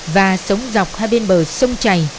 và sống dọc hai bên bờ sông chày